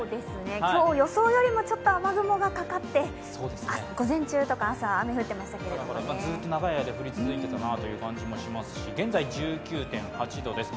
今日予想よりもちょっと雨雲がかかって午前中とか朝、雨降ってましたけどずっと長い間降り続いていたなという感じもしますし、現在１９．８度です。